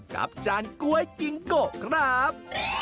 กับจานกล้วยกิงโกะครับ